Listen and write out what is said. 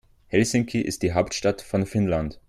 Helsinki ist die Hauptstadt von Finnland.